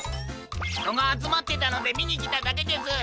ひとがあつまってたのでみにきただけです。